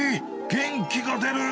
元気が出る。